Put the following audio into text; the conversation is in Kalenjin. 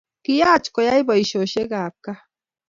Kiyach koyai boishoshek ab kaa